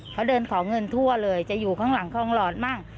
เขาเดินขอเงินทั่วเลยจะอยู่ข้างหลังคลองหลอดมั่ง